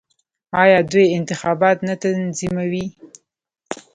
آیا دوی انتخابات نه تنظیموي؟